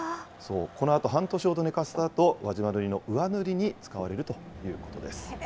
このあと半年ほど寝かせたあと、輪島塗の上塗りに使われるということです。